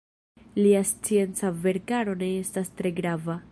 Lia scienca verkaro ne estas tre grava.